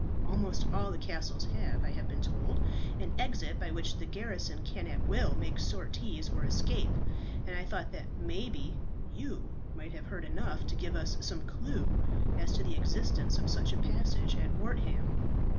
Almost all the castles have, I have been told, an exit by which the garrison can at will make sorties or escape; and I thought that maybe you might have heard enough to give us some clue as to the existence of such a passage at Wortham."